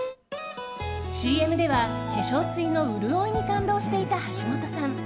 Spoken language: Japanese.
ＣＭでは化粧水の潤いに感動していた橋本さん。